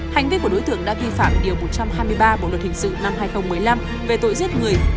hành vi của đối tượng đã vi phạm điều một trăm hai mươi ba bộ luật hình sự năm hai nghìn một mươi năm về tội giết người